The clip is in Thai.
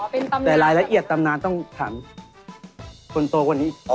อ๋อเป็นตำนานแต่รายละเอียดตำนานต้องถามคนโตกว่านี้